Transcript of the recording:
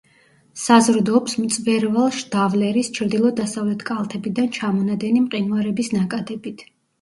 საზრდოობს მწვერვალ შდავლერის ჩრდილო-დასავლეთ კალთებიდან ჩამონადენი მყინვარების ნაკადებით.